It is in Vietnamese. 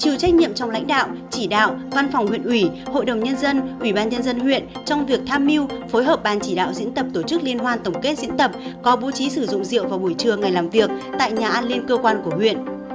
chịu trách nhiệm trong lãnh đạo chỉ đạo văn phòng huyện ủy hội đồng nhân dân ủy ban nhân dân huyện trong việc tham mưu phối hợp ban chỉ đạo diễn tập tổ chức liên hoan tổng kết diễn tập có bố trí sử dụng rượu vào buổi trưa ngày làm việc tại nhà an liên cơ quan của huyện